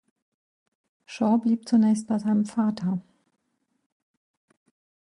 Shaw blieb zunächst bei seinem Vater.